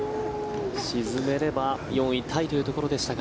沈めれば４位タイというところでしたが。